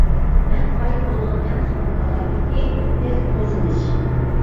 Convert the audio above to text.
مەن قايىل بولىدىغان ئەڭ سۆيۈملۈك ئالاھىدىلىكى، تېز قوزغىلىش.